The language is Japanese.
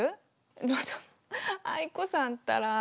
またまた藍子さんったら。